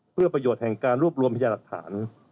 เพื่อประโยชน์แห่งการรวบรวมพยาหลักฐาน